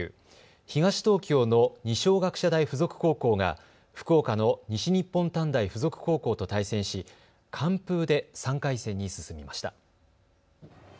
東東京の二松学舎大付属高校が福岡の西日本短大付属高校と対戦し完封で３回戦に進みました。